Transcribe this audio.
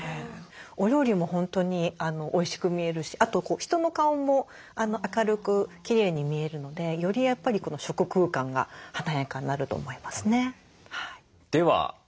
お料理も本当においしく見えるしあと人の顔も明るくきれいに見えるのでよりやっぱり食空間が華やかになると思いますね。